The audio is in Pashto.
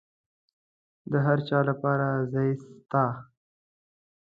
د هرچا لپاره ځای سته.